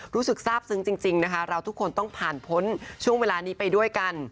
รู้สึกทราบซึ้งจริงนะคะเราทุกคนต้องผ่านพ้นช่วงเวลานี้ไปด้วยกัน